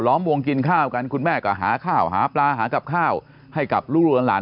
วงกินข้าวกันคุณแม่ก็หาข้าวหาปลาหากับข้าวให้กับลูกหลาน